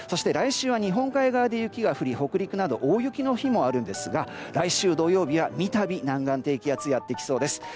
来週は日本海側で雪が降り北陸など大雪の日もあるんですが来週土曜日は三度、南岸低気圧がやってきそうです。